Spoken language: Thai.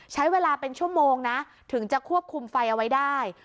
ใช้เวลาเป็นชั่วโมงนะถึงจะควบคุมไฟเอาไว้ได้